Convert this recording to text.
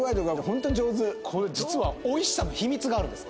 これ実はおいしさの秘密があるんです。